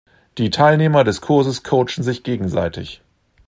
Die Teilnehmer des Kurses coachen sich gegenseitig.